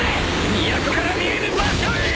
都から見えぬ場所へ。